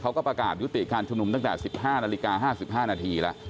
เขาก็ประกาศยุติการชุมนุมตั้งแต่สิบห้านาฬิกาห้าสิบห้านาทีละ